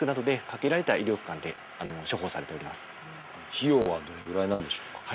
費用はどれぐらいなんでしょうか？